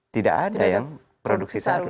tidak ada yang produksi sagu